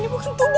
ini bukan tubuhmu